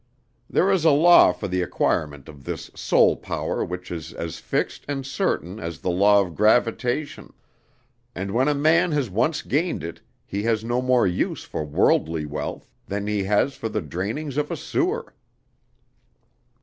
"There is a law for the acquirement of this soul power which is as fixed and certain as the law of gravitation; and when a man has once gained it, he has no more use for worldly wealth than he has for the drainings of a sewer."